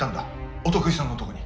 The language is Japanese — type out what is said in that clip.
お得意さんのとこに。